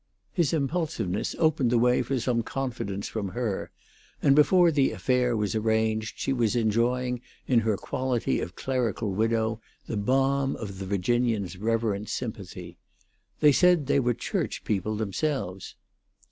His impulsiveness opened the way for some confidence from her, and before the affair was arranged she was enjoying in her quality of clerical widow the balm of the Virginians' reverent sympathy. They said they were church people themselves.